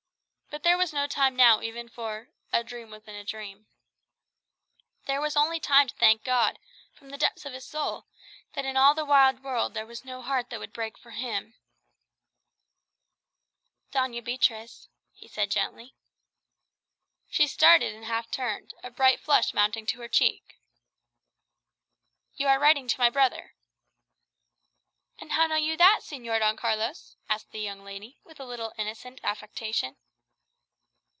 But there was no time now even for "a dream within a dream." There was only time to thank God, from the depths of his soul, that in all the wide world there was no heart that would break for him. "Doña Beatriz," he said gently. She started, and half turned, a bright flush mounting to her cheek. "You are writing to my brother." "And how know you that, Señor Don Carlos?" asked the young lady, with a little innocent affectation.